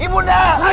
kau sudah rai